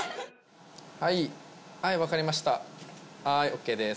はいはい分かりましたはいＯＫです